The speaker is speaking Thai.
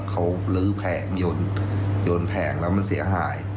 เขาลื้อแผงโยนแผงแล้วมันเสียหาย